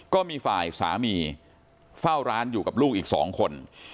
ก็มีฝ่ายสามีเฝ้าร้านอยู่กับลูกอีก๒คน